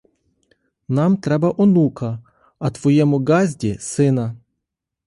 Нам треба онука, а твоєму ґазді сина.